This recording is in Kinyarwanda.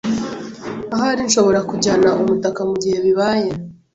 Ahari nshobora kujyana umutaka mugihe bibaye.